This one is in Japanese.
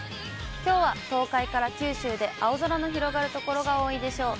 きょうは東海から九州で青空の広がる所が多いでしょう。